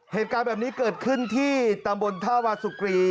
เหตุการณ์แบบนี้เกิดขึ้นที่ตำบลท่าวาสุกรี